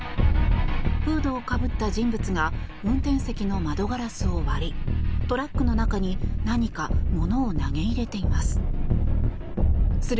フードをかぶった人物が運転席の窓ガラスを割りトラックの中に何か物を投げ入れています。